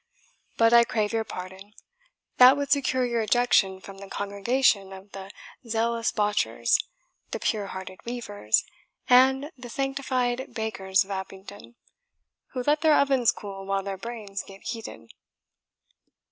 But I crave your pardon, that would secure your ejection from the congregation of the zealous botchers, the pure hearted weavers, and the sanctified bakers of Abingdon, who let their ovens cool while their brains get heated."